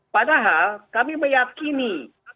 padahal kami meyakini